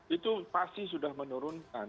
itu pasti sudah menurunkan